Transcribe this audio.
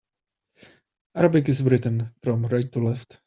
Arabic is written from right to left.